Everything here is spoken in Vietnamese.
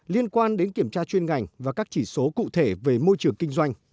liên quan đến kiểm tra chuyên ngành và các chỉ số cụ thể về môi trường kinh doanh